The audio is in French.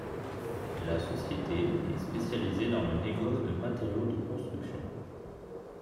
La société est spécialisée dans le négoce de matériaux de construction.